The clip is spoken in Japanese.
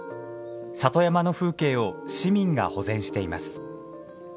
里山の風景を市民が保全しています。